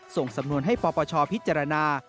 ส่งสำนวนให้ปปชพิจารณา